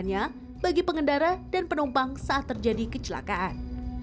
hanya bagi pengendara dan penumpang saat terjadi kecelakaan